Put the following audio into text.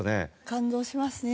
感動しますね。